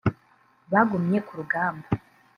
bagumye ku rugamba